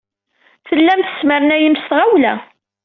Tellam tesmernayem s tɣawla.